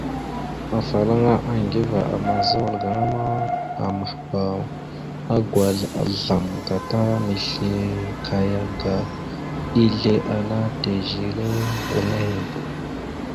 Afalaŋa Aŋgiva àmaza wala ma, amahba agwazl azzlam gata misle akaya aga izle ana tèzire wal nehe.